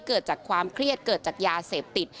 เกิดจากความเครียดเกิดจากยาเสพติด